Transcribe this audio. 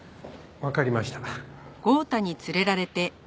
わかりました。